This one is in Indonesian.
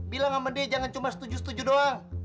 bilang sama dia jangan cuma setuju setuju doang